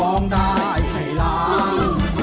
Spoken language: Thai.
ร้องได้ให้ล้าน